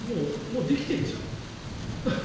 できてるじゃんという。